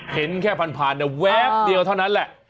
เห็นแค่ผ่านแวบเดียวเท่านั้นแหละ